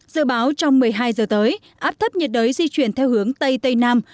dự báo trong một mươi hai giờ tới áp thấp nhiệt đới di chuyển theo hướng tây tây nam